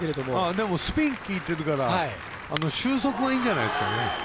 でもスピンきいてるから速度はいいんじゃないですか。